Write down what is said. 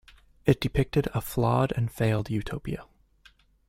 It depicted a flawed and failed utopia.